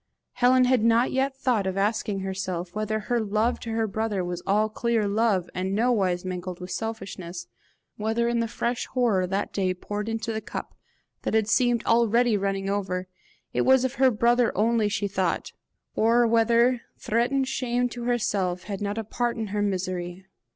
Helen had not yet thought of asking herself whether her love to her brother was all clear love, and nowise mingled with selfishness whether in the fresh horror that day poured into the cup that had seemed already running over, it was of her brother only she thought, or whether threatened shame to herself had not a part in her misery.